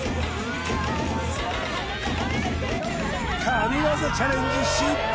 神業チャレンジ失敗！